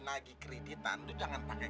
nagih kreditan lo jangan pakai